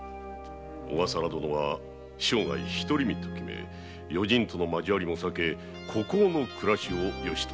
小笠原殿は生涯独り身と決め人との交わりも避け孤高の暮らしをよしとしているとか。